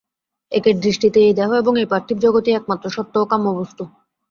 একের দৃষ্টিতে এই দেহ এবং এই পার্থিব জগৎই একমাত্র সত্য ও কাম্য বস্তু।